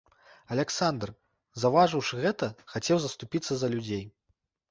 Аляксандр, заўважыўшы гэта, хацеў заступіцца за людзей.